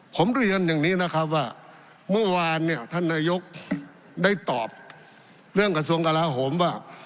ผมเรียนอย่างนี้นะครับว่าเมื่อวานเนี่ยท่านนายกได้ตอบเรื่องกระทรวงกลาโหมว่า